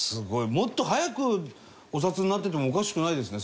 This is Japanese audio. もっと早くお札になっててもおかしくないですね。